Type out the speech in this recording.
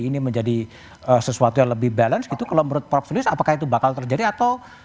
ini menjadi sesuatu yang lebih balance gitu kalau menurut prof sulis apakah itu bakal terjadi atau